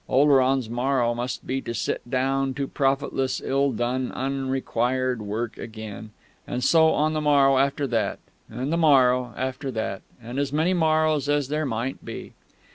Oleron's morrow must be to sit down to profitless, ill done, unrequired work again, and so on the morrow after that, and the morrow after that, and as many morrows as there might be....